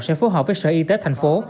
sẽ phối hợp với sở y tế thành phố